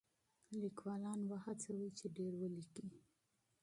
لیکوالان وهڅوئ چې ډېر ولیکي.